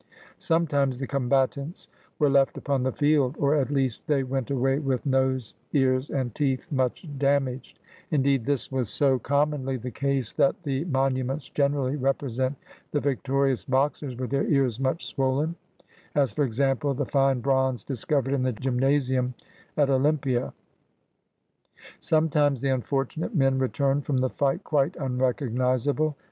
Sometimes the combatants were left upon the field, or at least they went away with nose, ears, and teeth much damaged: indeed, this was so ^ Iliad, xxin, 714. 66 AT THE OLYMPIAN GAMES commonly the case that the monuments generally repre sent the victorious boxers with their ears much swollen — as, for example, the fine bronze discovered in the gymnasium at Olympia. Sometimes the unfortunate men returned from the fight quite unrecognizable.